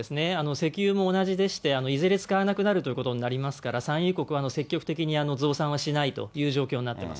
石油も同じでして、いずれ使わなくなるということになりますから、産油国は積極的に増産はしないという状況になってます。